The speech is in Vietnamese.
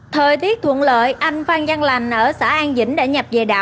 thời tiết thuận lợi anh phan giang lành ở xã an